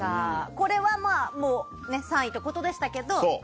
これは３位ってことでしたけど